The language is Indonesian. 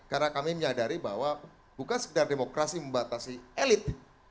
karena kami menyadari bahwa bukan sekedar demokrasi membatasi elit